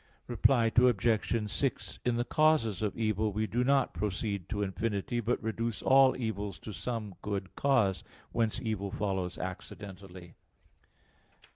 Reply Obj. 6: In the causes of evil we do not proceed to infinity, but reduce all evils to some good cause, whence evil follows accidentally.